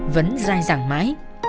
vẫn dai dẳng mãi